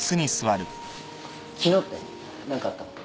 昨日って何かあったの？